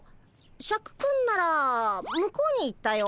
シャクくんなら向こうに行ったよ。